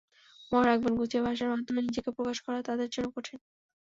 মনে রাখবেন, গুছিয়ে ভাষার মাধ্যমে নিজেকে প্রকাশ করা তাদের জন্য কঠিন।